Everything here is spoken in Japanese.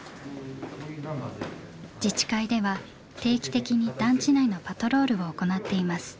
自治会では定期的に団地内のパトロールを行っています。